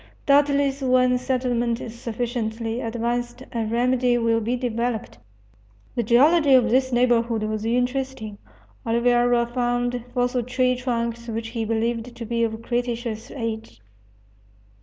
Doubtless when settlement is sufficiently advanced a remedy will be developed. The geology of this neighborhood was interesting Oliveira found fossil tree trunks which he believed to be of cretaceous age.